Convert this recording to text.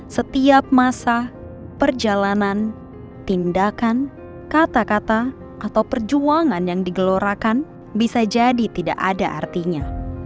setiap masa perjalanan tindakan kata kata atau perjuangan yang digelorakan bisa jadi tidak ada artinya